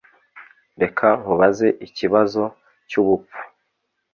Reka nkubaze ikibazo cyubupfu